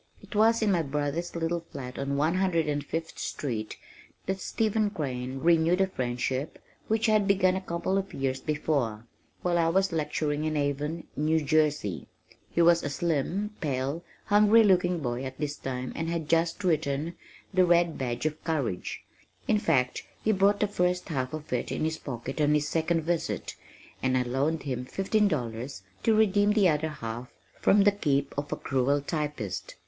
It was in my brother's little flat on One Hundred and Fifth Street that Stephen Crane renewed a friendship which had begun a couple of years before, while I was lecturing in Avon, New Jersey. He was a slim, pale, hungry looking boy at this time and had just written The Red Badge of Courage, in fact he brought the first half of it in his pocket on his second visit, and I loaned him fifteen dollars to redeem the other half from the keep of a cruel typist.